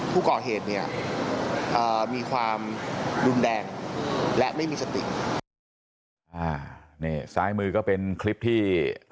ผู้ก่อเหตุเนี่ยมีความดุมแดงและไม่มีสติก